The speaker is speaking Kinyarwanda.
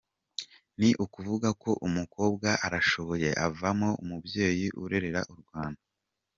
Ni ukuvuga ko umukobwa arashoboye, avamo umubyeyi urerera u Rwanda.